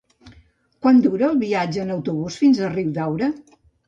Quant dura el viatge en autobús fins a Riudaura?